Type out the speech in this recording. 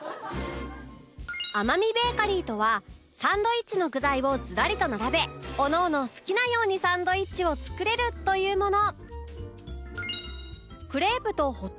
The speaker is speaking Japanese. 天海ベーカリーとはサンドイッチの具材をずらりと並べおのおの好きなようにサンドイッチを作れるというもの